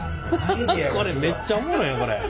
これめっちゃおもろいやんこれ。